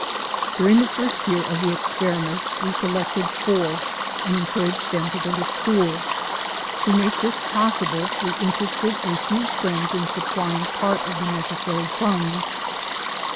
During the first year of the experiment we selected four and encouraged them to go to school. To make this possible, we interested a few friends in supplving part of the necessary funds.